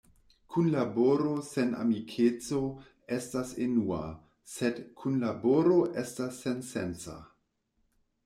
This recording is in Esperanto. Kunlaboro sen amikeco estas enua, sed kunlaboro estas sensenca.